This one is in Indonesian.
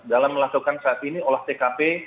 dalam melakukan saat ini olah tkp